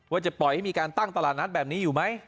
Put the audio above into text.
ว่าจะปล่อยให้มีการตั้งตลาดนัดแบบนี้อยู่ไหม